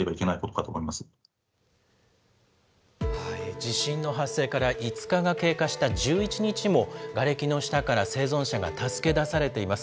地震の発生から５日が経過した１１日も、がれきの下から生存者が助け出されています。